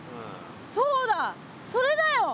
そうだそれだよ！